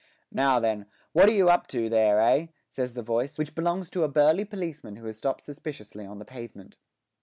'Now then, what are you up to there, eh?' says the voice, which belongs to a burly policeman who has stopped suspiciously on the pavement.